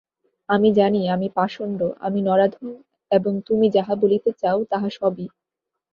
আমি জানি আমি পাষণ্ড, আমি নরাধম এবং তুমি যাহা বলিতে চাও তাহা সবই।